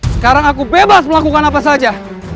sekarang aku bebas melakukan apa saja